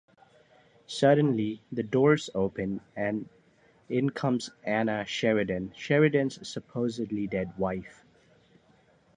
Suddenly, the doors open and in comes Anna Sheridan, Sheridan's supposedly dead wife.